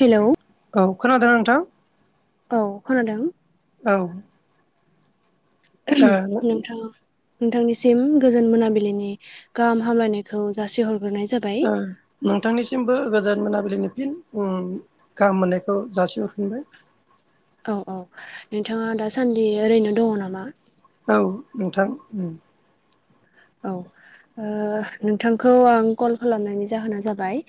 Hello औ खोनादों नोंथां औ खोनादों औ ओ नोंथां औ नोंथांनिसिम गोजोन मोनाबिलिनि गाहाम हामलायनायखौ जासिहरग्रोनाय जा उम नोंथांनिसिमबो गोजान मोनाबिलिनि फिन गाहाम मोननायखौ जासिमहरफिनबाय औ औ नोंथाङा दासान्दि ओरैनो दङ नामा औ नोंथां उम औ ओ नोंथांखौ आं कल खालामनायनि जाहोना जाबाय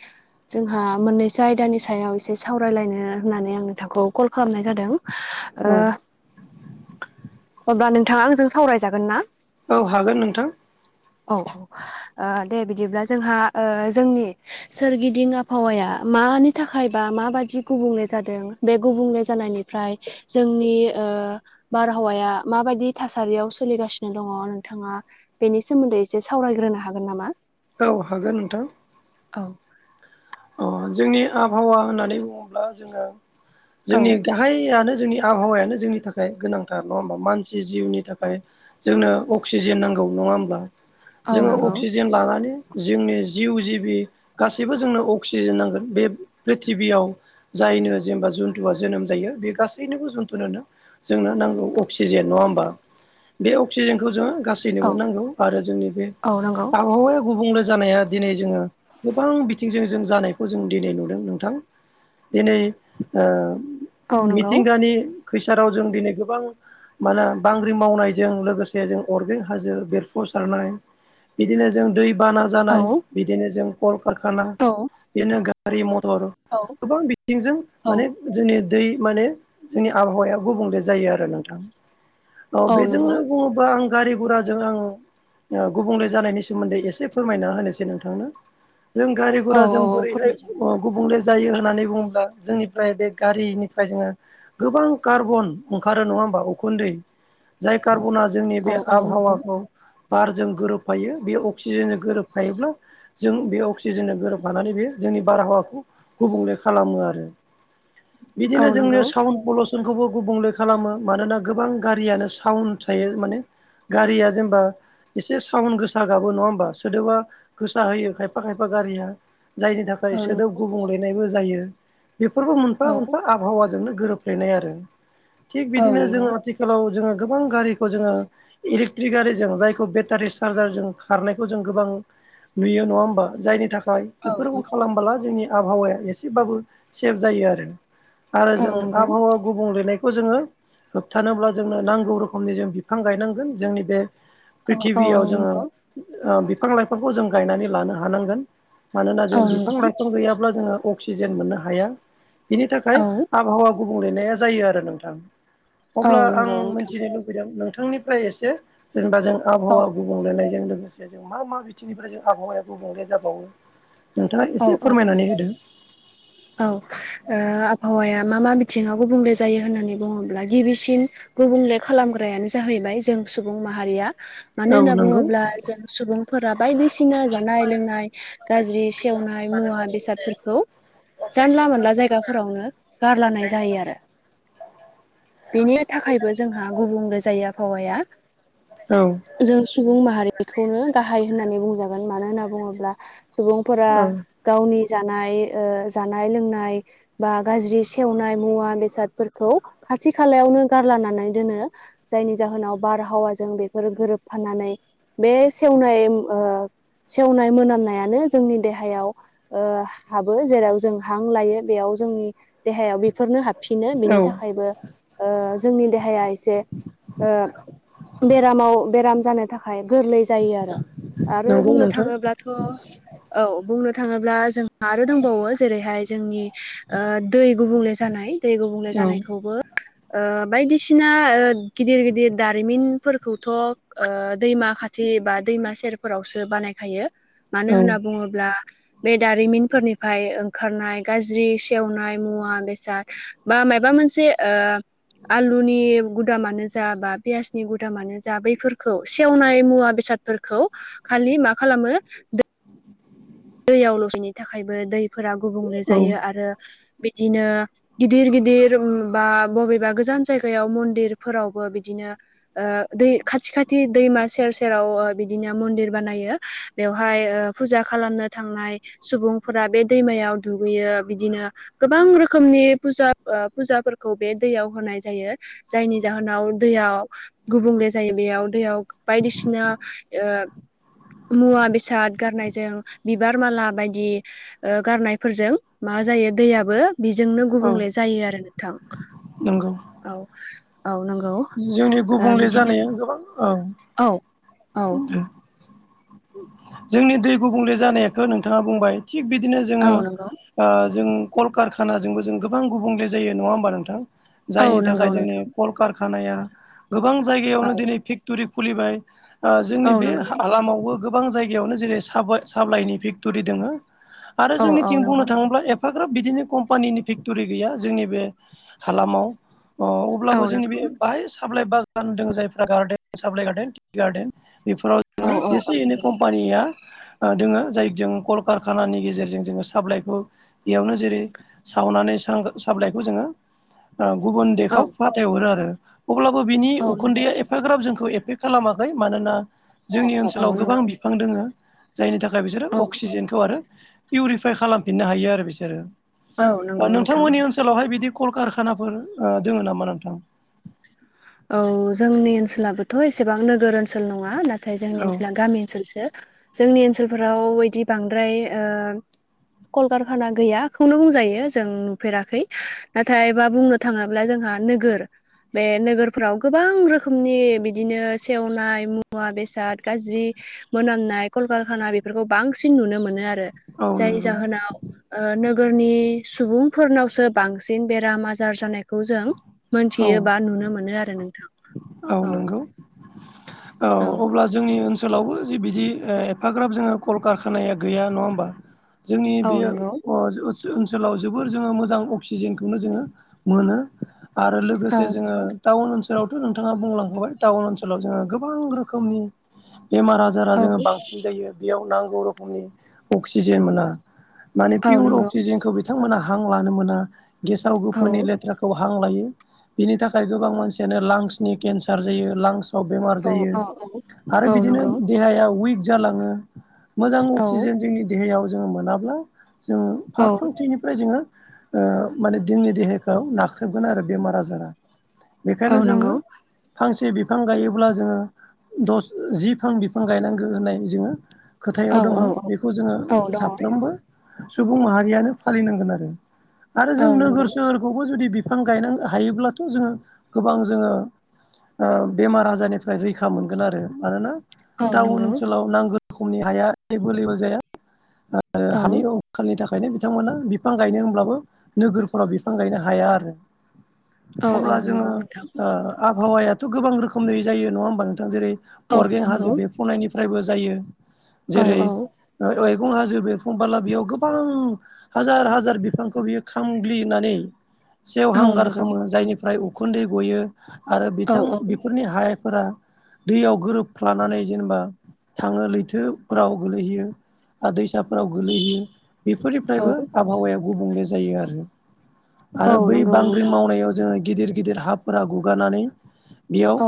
जोंहा मोननैसो आयदानि सायाव एसे सावरायलायनो होननानै आं नोंथांखौ कल खालामनाय जादों औ ओ अब्ला नोंथाङा आंजों सावरायजागोन ना औ हागोन नोंथां औ ओ दे बिदिब्ला जोंहा ओ जोंनि सोरगिदिं आबहावाया मानि थाखाय बा माबाददि गुबुंले जादों बे गुबुंले जानायनिफ्राय जोंनि ओ बारहावाया माबायदि थासारियाव सोलिगासिनो दङ नोंथाङा बेनि सोमोन्दै एसे सावरायग्रोनो हागोन नामा औ हागोन नोंथां। औ अ जोंनि आबहावा होननानै बुङोब्ला जोङो जोंनि औ गा हायानो जोंनि आबहावायानो जोंनि थाखाय गोनांथार नङा होमबा मानसि जिउनि थाखाय। जोंनो अक्सिजेन नांगौ नङा होमब्ला? जोङो नंगौ अक्सिजेन लानानै जोंनि जिउ जिबि गासैबो जोंनो अक्सिजेन नांगोन बे प्रिथिबियाव जायनो जेनेबा जुथुवआ जोनोम जायो बे गासैनोबो जुथुनो जोंनो नांगौ अक्सिजेन नङा होमबा बे अक्सिजेनखौ जोङो गासै नोबो औ नांगौ आरो जोंनि बे औ नंगौ आबहावाया गुबुंले जानाया दिनै जोङो गोबां बिथिंजों जों जानायखौ जों दिनै नुदों नोंथां दिनै औ नंगौ मिथिंगानि खैसाराव जों दिनै गोबां मा होनो बांग्रि मावनायजों लोगोसे जों अरगें हाजो बेरफु सारनाय बिदिनो जों दैबाना औ जानाय बिदिनो जों कलकारखाना औ नो गारि मटर औ गोबां बिथिंजों औ माने जोंनि दै माने जोंनि आबहावाया गुबुंले जायो आरो नोंथां। औ बेजोंनो बुङोबा आं गारि घराजों आं गुबुंले जानायनि सोमोन्दै एसे फोरमायना होनोसै नोंथांनो जों गारि औ गुरा औ जों बोरैहाय फोरमायजागोन गुबुंले जायो होननानै बुङोब्ला जोंनिफ्राय बे गारिनिफ्राय जोङो गोबां कार्बन ओंखारो नङा होमबा उखुन्दै जाय कार्बना जोंनि औ बे औ नंगौ आबहावाखौ बारजों गोरोबफायो बे अक्सिजेननो गोरोबफायोब्ला जों बे अक्सिजेननो गोरोबायो लानानै बे जोंनि बारहावाखौ गुबुंले खालामो आरो। औ बिदिनो नंगौ जोंनियाव साउन्ड पलुसनखौबो गुबुंले खालामो मानोना गोबां गारियानो साउन्ड थायो माने गारिया जेनेबा एसे साउन्ड गोसा गाबो नङा होमबा सोदोबा गोसा होयो खायफा खायफा गारिया जायनि थाखाय औ सोदोब नंगौ गुबुंलेनायबो जायो। बेफोरबो मोनफा औ मोनफा आबहावाजोंनो गोरोबफ्लेनाय आरो थिग औ बिदिनो जों नंगौ आथिखाल आथिखालाव जोङो गोबां गारिखौ जोङो इलेक्ट्रिक गारिजों जायखौ बेटारि चार्जारजों खारनायखौ जों गोबां नुयो नङा होमबा जायनि थाखाय औ बेफोरखौ नंगौ खालामबोला जोंनि आबहावाया एसेबाबो सेफ जायो आरो। आरो औ जों नंगौ आबहावा गुबुंलेनायखौ जोङो होबथानोब्ला जोंनो नांगौ रोखोमनि जों बिफां गायनांगोन जोंनि बे औ औ प्रिथिबियाव नंगौ जोङो बिफां लाइफांखौ जों गायनानै लानो हानांगोन। मानोना औ जों बिफां नंगौ लाइफां गैयाब्ला जोङो अक्सिजेन मोननो हाया बिनि थाखाय औ आबहावा गुबुंलेनाया जायो आरो नोंथां औ अब्ला आं नंगौ नोंथां मिथिनो लुबैदों नोंथांनि फ्राय एसे जेनेबा जों औ आबहावा गुबुंलेनायजों लोगोसे जे जों मा मा बिथिंनिफ्राय जों आबहावायाबो गुबुंलेया जाबावो। नोंथाङा औ एसे औ फोरमायनानै होदो औ आबहावाया मा मा बिथिङाव गुबुंले जायो होननानै बुङोब्ला गिबिसिन गुबुंले खालामग्रायानो जाहैबाय जों सुबुं माहारिया मानो औ होनना नंगौ बुङोब्ला जों सुबुंफोरा बायदिसिना जानाय लोंनाय गाज्रि सेवनाय मुवा बेसादफोरखौ जानला मोनला जायगाफोरावनो गारलनाय जायो आरो। [inaudible] बेनि थाखायबो जोंहा गुबुंले जायो आबहावाया। औ जों सुबुं माहारिखौनो गाहाय होननानै बुंजागोन मानो होनना बुङोब्ला सुबुं फोर गावनि जानाय जानाय लोंनाय बा गाज्रि सेवनाय मुवा बेसादफोरखौ खाथि खालायावनो गारलानानै दोनो जायनि जाहोनाव बारहावाजों बेफोरो गोरोबफाननानै बे सेवनाय सेवनाय मोनामनायानो जोंनि देहायाव हाबो जेराव जों हां लायो बेयाव जोंनि देहायाव बेफोरनो हाब फिनो औ औ बिनि थाखायबो जोंनि देहाया एसे बेरामाव बेराम जानो थाखाय आखाय गोरलै जायो आरो आरो नंगौ बुंनो नोंथां थांङोब्लाथ' औ बुंनो थांङोब्ला जों आरो दंबावो जेरैहाय जोंनि दै गुबुंले जानाय दै गुबुंले औ जानायखौबो [inaudible] बायदिसिना गिदिर गिदिर दारिमिनफोरखौथ' दैमा खाथि फुथि बा दैमा सेरफोरावसो बानायखायो मानो औ होनना बुंङोब्ला बे दारिमिनफोरनिफ्राय ओंखारनाय गाज्रि सेवनाय मुवा बेसाद बा माबा मोनसे आलुनि गुदामानो जा बा पियासनि गुदामानो जा बैफोरखौ सेवनाय मुवा बेसाद खालि मा खालामो दैयाव लसेनि थाखायबो दैफोरा गुबुंले औ जायो आरो बिदिनो गिदिर गिदिर बा बबेबा गोजान जायगायाव मन्दिरफोरावबो बिदिनो दै खाथि खाथि दैमा सेर सेर सेराव बिदिनो मन्दिर बानायायो बेवहाय फुजा खालामनो थांनाय सुबुंफोरा बे दैमायाव दुगैयो बिदिनो गोबां रोखोमनि फुजा फुजाफोरखौ बे दैयाव होनाय जायो। जायनि जाहोनाव दैयाव गुबुंले जायो बेयाव दैयाव बायदिसिना बिदिनो मुवा बेसाद गारनायजों बिबार माला बायदि गारनायफोरजों मा जायो दैयाबो बेजोंनो औ गुबुंले जायो आरो नोंथां नंगौ औ औ नंगौ जोंनि ओ गुबुंले बिदिनो जानाया गोबां औ औ औ जोंनि दै गुबुंले जानायखौ नोंथांङा बुंबाय थिग बिदिनो औ जोंङो। नंगौ जों कलकारखानाजोंबो जों गोबां गुबुंले जायो नंङा होमबा नोंथां। औ जायनि थाखाय नंगौ जोंनि नोंथां कलकारखानाया गोबां औ जायगायावनो दिनै फेक्टरि खुलिबाय। जोंनि औ बे नंगौ हालामावबो गोबां जायगायावनो जेरै स सााबलाइनि फेक्ट'रि दंङो। आरो औ औ जोंनिथिं बुंनो नंगौ थाङोब्ला ए एफाग्राब बिदिनो कम्पानिनि फेक्टरि गैया जोंनि बे हालामाव अ औ अब्लाबो जोंनि बे नंगौ बाहाय सालाइ बागान द जायफ्रा गार्डेन साइ गार्देन टि गार्डेन बेफोराव औ जोङो औ। एसे एनै कम्पानिया दोंङो जायजों कलकारखानानि गेजेरजों जोंङो साप्लाइखौ बेयावनो जेरै सावनानै साबलाइखौ जोंङो गुबुन देखाव फ फाथायहरो आरो अब्लाबो बिनि औ नंगौ उखुन्दैआ एफाग्राब जोंखौ एफेक्ट खालामाखै मानोना अ जोंनि अ ओनसोलाव गोबां बिफां दोङो जायनि थाखाय बिसोर औ अक्सिजेन खालाम हायो बिसोर औ नंगौ नोंथां ओनसोलावहाय बिदि कलकारखानाफोर दंङो नामा नोंथां औ जोंनि ओनसोलाबोथ' एसेबां नोगोर ओ ओनसल नंङा नाथाय जोंनि औ ओनसोला गामि ओनसोलसो जोंनि ओनसोलफोराव बांद्राय कलकारखाना गैयाखौनो बुंजायो जों नुफेराखै नाथाय बा बुंनो। थांङोब्ला जोंहा नोगोर बे नोगोर फोराव गोबां रोखोमनि बिदिनो सेवनाय मुवा बेसाद गाज्रि मोनामनाय कलकारखाना बेफोरखौ बांसिन नुनो मोनो आरो औ जायनि नंगौ जाहोनाव। ओ नोगोरनि सुबुंफोरनावसो बांसिन बेराम आजार जानाय खौ जों औ मोनथियो बा नुनो मोनो आरो नोंथां। औ नंगौ औ अब्ला जोंनि ओनसोल ओनसोलावबो जि बिदि एफाग्राब जोङो कलकारखानाया गैया नङा होमबा। जोंनि औ बे नंगौ ओनसोलाव जोबोर जोङो मोजां अक्सिजेनखौनो जोङो मोनो आरो औ लोगोसे जोङो। नंगौ टाउन ओनसोलावथ' नोंथाङा बुंलांखाय टाउन ओनसोलाव जोङो गोबां रोखोमनि बेमार आजार बाजारा औ जोङो बांसिन जायो बेयाव नांगौ रोखोमनि अक्सिजेन मोना। माने औ पियर नंगौ अक्सिजेनखौ बिथांमोना हां लानो मोना गेसाव औ गोफोनि लेथ्राखौ। खौ हां लायो बिनि थाखाय गोबां मानसियानो लांसनि केन्सार जायो लांस औ बेमार जायो औ आरो औ बिदिनो नंगौ देहाया उइक जालाङो मोजां औ अक्सिजेन जोंनि देहायाव जोङो मोनाब्ला जोङो औ फारफ्रोमथिनिफ्राय जोङो। माने जोंनि देहाखौ नाख्रेबगोन आरो बेमार आजारा औ बेखायनो नंगौ जोङो। फांसे बिफां गायोब्ला जोङो दस जि फां बिफां गायनांगौ होननाय जोङो। खोथायाव औ दङ औ औ बेखौ जोङो औ दङ साफ्रोमबो सुबुं माहारियानो फालिनांगोन आरो आरो औ जों नंगौ नोगोर सोहोर खौबो जुदि बिफां गायन हायोब्लाथ' जोङो गोबां जोङो। बेमार आजारनिफ्राय रैखा मोनगोन आरो मानोना औ टाउन नंगौ ओनसोलाव नांगौ रोखनि हाया एभलेबोल जाया आरो औ हानि आथिखालनि थाखायनो बिथांमोना बिफां गायनो होनब्लाबो नोगोरफोराव बिफां गायनो हाया आरो औ औ अब्ला जोङो नंगौ नोंथां आबहावायाथ' गोबां रखोमनि जायो नङा होमबा नोंथां जेरै औ अरगें हाजो नंगौ बेफोर सुफुंनायनिफ्रायबो जायो औ जेरै औ मैगं हाजो बेरखंबाला बेयाव गोबां हाजार हाजार बिफांखौ बियो खामग्लिनानै औ सेवहांगार नंगौ खालामो जायनिफ्राय उखुन्दै गयो आरो औ बिथां औ बेफोरनि हाय फोर दैयाव गोरोबफ्लानानै जेनेबा थाङो लैथोफोराव गोलैहैयो। आरो दैसाफोराव गोलैहैयो औ बेफोरनिफ्रायबो आबहावाया गुबुंले जायो आरो। औ आरो बै नंगौ बांग्रि नोंथां मावनायाव जोङो गिदिर गिदिर हाफोरा गुगानानै। बेयाव औ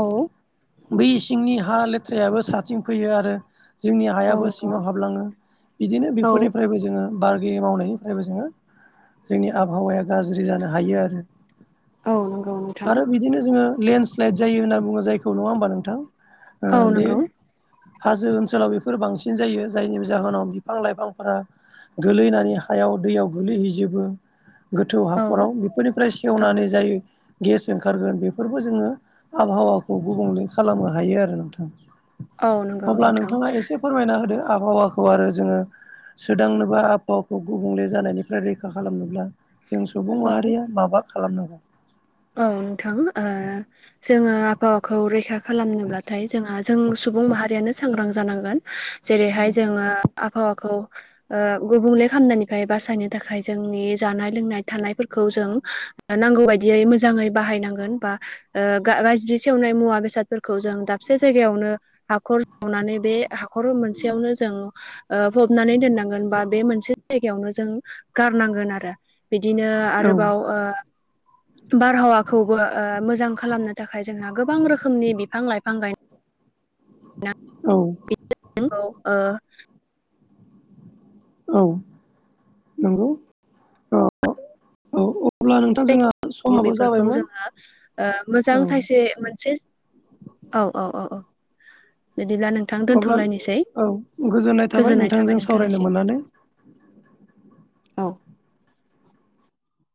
बै इसिंनि हा लेथ्रायाबो सथिं फैयो आरो। जोंनि औ हायाबो नंगौ सिङाव हाबलाङो बिदिनो औ बेफोरनिफ्रायबो जोङो। बारे मावनायनिफ्रायबो जोङो जोंनि आबहावाया गाज्रि जानो हायो आरो। औ नंगौ नोंथां। आरो बिदिनो जोङो लेन्डस्लाइद जायो होनना बुङो जायखौ नङा होमबा नोंथां औ बे नंगौ हाजो ओनसोलाव बेफोर बांसिन जायो जायनि जाहोनाव बिफां लाइफांफोरा गोलैनानै हायाव दैयाव गोलैहैजोबो गोथौ औ हाखराव बेफोरनिफ्राय औ सेवनानै जायो गेसजों ओंखारगोन बेफोरबो जोङो आबहावाखौ गुबुंले खालामनो हायो आरो नोंथां। औ नंगौ अब्ला नोंथां नोंथाङा एसे फोरमायना होदो आबहावाखौ आरो जोङो सोदांनोबा आबहावाखौ गुबुंले जानायनिफ्राय रैखा खालामनोब्ला जों सुबुं औ माहारिया माबा खालामनांगौ औ नोंथां जोङो आबहावाखौ रैखा खालामनोब्लाथाय। जोंहा जों सुबुं माहारियानो सांग्रां जानांगोन जेरैहाय जोङो आबहावाखौ गुबुंले खामनायनिफ्राय बासायनो थाखाय जोंनि जानाय लोंनाय थानायफोरखौ जों। नांगौ बायदियै मोजाङै बाहायनांगोन बा गाज्रि सेवनाय मुवा बेसादफोरखौ जों दाबसे जायगायावनो हाखर सावनानै बे हाखर मोनसेयावनो जों फबनानै दोननांगोन बा बे मोनसे जायगायावनो जों। गारनांगोन आरो बिदिनो औ आरोबाव बारहावाखौबो मोजां खालामनो थाखाय जोंहा गोबां रोखोमनि बिफां लाइफां गायनो [inaudible] औ औ ओ औ नंगौ औ-औ अब्ला नोंथां जोंहा समाबो बेफोरखौ जाबायमोन जोङो मोजां औ थाइसे मोनसे औ-औ-औ-औ बिदिब्ला नों थां अब्ला दोन्थ'लायनोसै औ गोजोननाय नोंथांजों थाबाय सावरायनो नोंथांनिसिम मोननानै औ